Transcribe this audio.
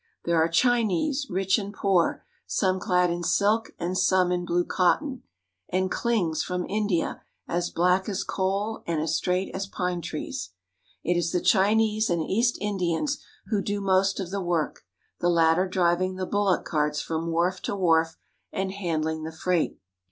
There are Chinese, rich and poor, some clad in silk and some in blue cotton, and Klings from India as black as coal and as straight as pine trees. It is the Chinese and East Indians who do most of the work, the latter driving the bullock carts from wharf to wharf and handling the freight.